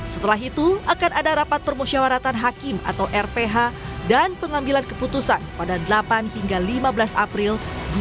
setelah itu akan ada rapat permusyawaratan hakim atau rph dan pengambilan keputusan pada delapan hingga lima belas april dua ribu dua puluh